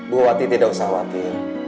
bu hati hati tidak usah khawatir